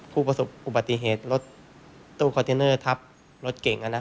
ผู้ประสบอุบัติเหตุรถตู้คอนเทนเนอร์ทับรถเก่ง